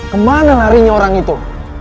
kemana larinya orang itu